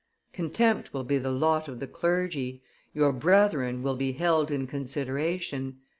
Contempt will be the lot of the clergy, your brethren will be held in consideration.